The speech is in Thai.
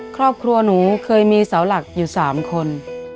ครอบครัวหนูเคยมีเสาหลักอยู่๓คน